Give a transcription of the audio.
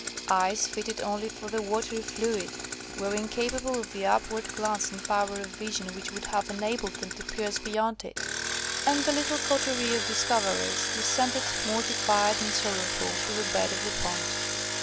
Eyes fitted only for the watery fluid, were incapable of the upward glance and power of vision which would have enabled them to pierce beyond it; and the little coterie of discoverers descended, mortified and sorrowful, to the bed of the pond.